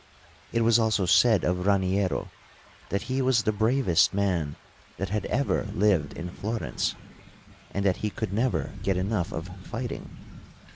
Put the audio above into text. It was also said of Raniero that he was the bravest man that had ever lived in Florence, and that he could never get enough of fighting.